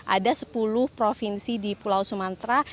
ada sepuluh provinsi di pulau sumatera